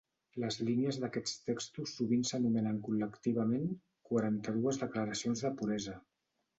Les línies d'aquests textos sovint s'anomenen col·lectivament "quaranta-dues declaracions de puresa".